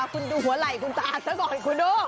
คุณดูหัวไหล่คุณตาซะก่อนคุณดู